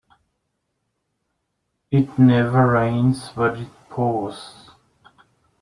It never rains but it pours.